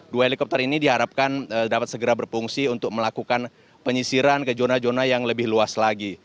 dua helikopter ini diharapkan dapat segera berfungsi untuk melakukan penyisiran ke zona zona yang lebih luas lagi